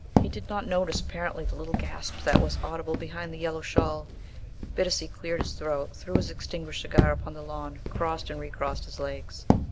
He did not notice, apparently, the little gasp that was audible behind the yellow shawl. Bittacy cleared his throat, threw his extinguished cigar upon the lawn, crossed and recrossed his legs.